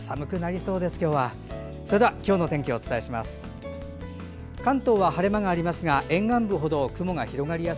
それでは今日の天気をお伝えします。